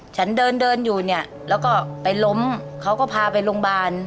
ฉันเดินเดินอยู่เนี่ยแล้วก็ไปล้มเขาก็พาไปโรงพยาบาล